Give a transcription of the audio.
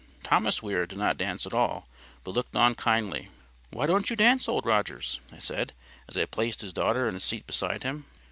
Thomas Weir did not dance at all, but looked on kindly. "Why don't you dance, Old Rogers?" I said, as I placed his daughter in a seat beside him.